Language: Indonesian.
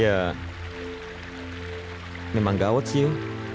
ya memang gawat sih